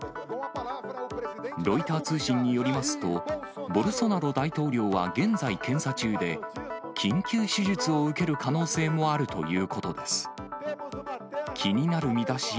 ロイター通信によりますと、ボルソナロ大統領は現在検査中で、緊急手術を受ける可能性もあるということです。